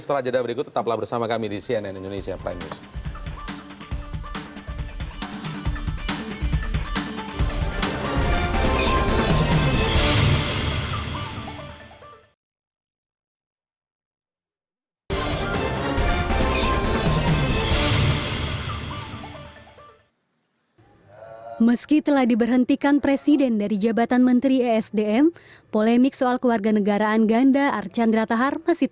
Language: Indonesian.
setelah jadwal berikut tetaplah bersama kami di cnn indonesia prime news